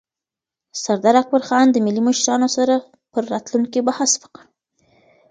سردار اکبرخان د ملي مشرانو سره پر راتلونکي بحث وکړ.